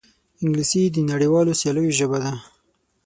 انګلیسي د نړیوالو سیالیو ژبه ده